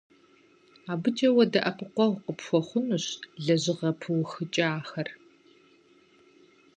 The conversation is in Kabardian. АбыкӀэ уэ дэӀэпыкъуэгъу къыпхуэхъунущ лэжьыгъэ пыухыкӀахэр.